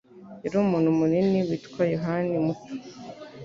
Yari umuntu munini witwa Yohani muto.